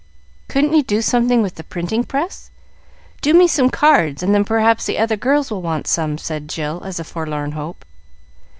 "Couldn't you do something with the printing press? Do me some cards, and then, perhaps, the other girls will want some," said Jill, as a forlorn hope.